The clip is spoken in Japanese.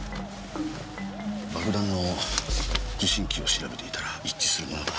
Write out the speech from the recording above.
爆弾の受信機を調べていたら一致するものが。